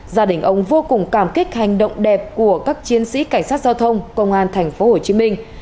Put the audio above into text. gia đình ông vô cùng cảm kích hành động đẹp của các chiến sĩ cảnh sát giao thông công an thành phố hồ chí minh